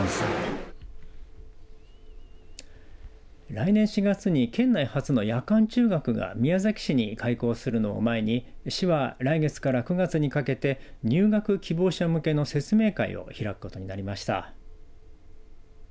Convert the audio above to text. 来年４月に県内初の夜間中学が宮崎市に開校するのを前に市は来月から９月にかけて入学希望者向けの説明会を開くことになりました。